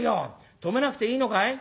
止めなくていいのかい」。